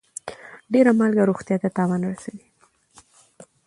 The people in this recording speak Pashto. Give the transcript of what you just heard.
ډيره مالګه روغتيا ته تاوان رسوي.